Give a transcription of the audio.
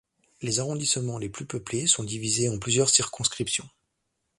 Les arrondissements les plus peuplés sont divisés en plusieurs circonscriptions.